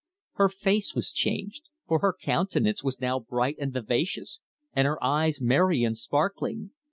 Her face was changed, for her countenance was now bright and vivacious, and her eyes merry and sparkling.